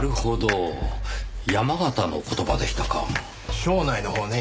庄内のほうね。